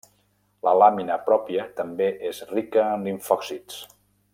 La làmina pròpia també és rica en limfòcits.